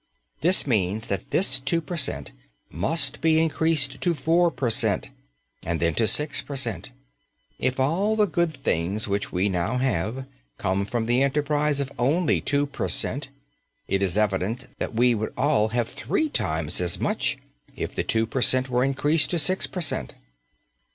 This means that this two per cent. must be increased to four per cent., and then to six per cent. If all the good things which we now have, come from the enterprise of only two per cent., it is evident that we would all have three times as much if the two per cent were increased to six per cent.